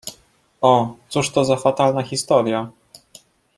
— O, cóż to za fatalna historia!